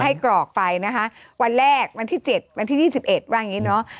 กรอกไปนะคะวันแรกวันที่๗วันที่๒๑ว่าอย่างนี้เนอะ